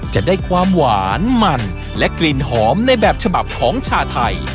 จะได้ความหวานมันและกลิ่นหอมในแบบฉบับของชาไทย